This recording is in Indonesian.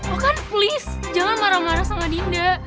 oh kan please jangan marah marah sama dinda